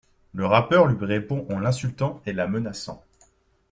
Le rappeur lui répond en l'insultant et la menaçant.